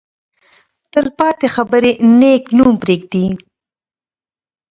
تل پاتې خبرې نېک نوم پرېږدي.